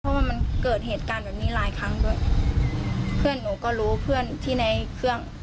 เพราะว่ามันเกิดเหตุการณ์แบบนี้หลายครั้งด้วยเพื่อนหนูก็รู้เพื่อนที่ในเครื่อง